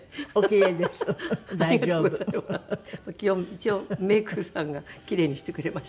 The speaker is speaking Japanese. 一応メイクさんが奇麗にしてくれました。